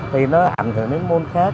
thì nó ảnh hưởng đến môn khác